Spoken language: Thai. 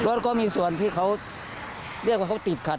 รถก็มีส่วนที่เขาเรียกว่าเขาติดขัด